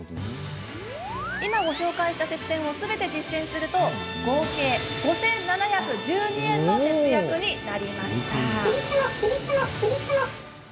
今、ご紹介した節電をすべて実践すると合計５７１２円の節約になりました。